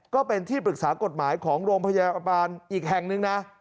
ก็เป็นที่ปรึกษากฎหมายของโรงพยาบาลอีกแห่งหนึ่งนะ